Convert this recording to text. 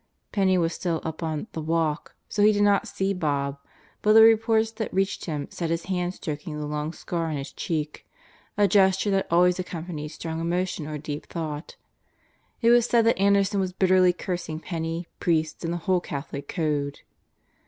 Penney was still up on a the walk" so he did not see Bob, but the reports that reached him set his hand stroking the long scar on his cheek a gesture that always accompanied strong emotion or deep thought. It was said that Anderson was bitterly cursing Penney, priests, and the whole Catholic Code.